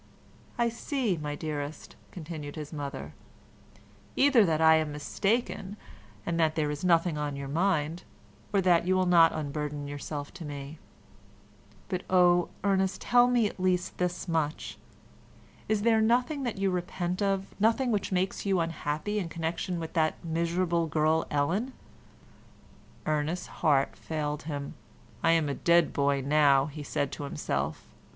"I see, my dearest," continued his mother, "either that I am mistaken, and that there is nothing on your mind, or that you will not unburden yourself to me: but oh, Ernest, tell me at least this much; is there nothing that you repent of, nothing which makes you unhappy in connection with that miserable girl Ellen?" Ernest's heart failed him. "I am a dead boy now," he said to himself.